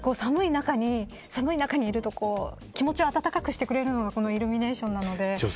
寒い中にいると気持ちを温かくしてくれるのがこのイルミネーションなので。